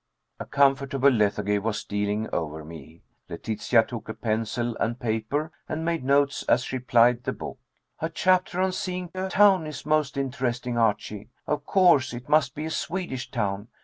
'" A comfortable lethargy was stealing o'er me. Letitia took a pencil and paper, and made notes as she plied the book. "A chapter on 'seeing a town' is most interesting, Archie. Of course, it must be a Swedish town.